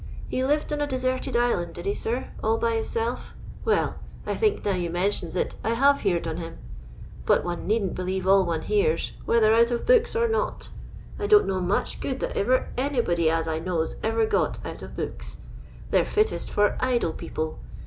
He lived on a deserted island, did he, sir, all by his self ] Well, I think, now you mentions it, I have heered on him. But one needn't believe all one hears, whether out of books or not I don't know much good that ever anybody as I knows ever got out of books; they're fittest for idle people.